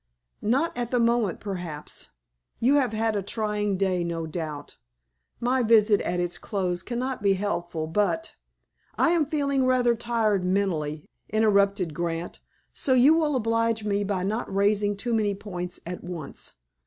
"Not at the moment, perhaps. You have had a trying day, no doubt. My visit at its close cannot be helpful. But—" "I am feeling rather tired mentally," interrupted Grant, "so you will oblige me by not raising too many points at once.